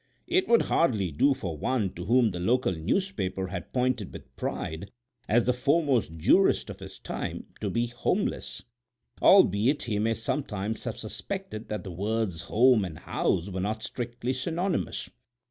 It would hardly do for one to whom the local newspaper had pointed with pride as "the foremost jurist of his time" to be "homeless," albeit he may sometimes have suspected that the words "home" and "house" were not strictly synonymous.